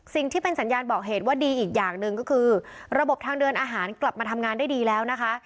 สิ่งที่เป็นสัญญาณบอกเหตุว่าดีอีกอย่างหนึ่งก็คือระบบทางเดินอาหารกลับมาทำงานได้ดีแล้วนะคะ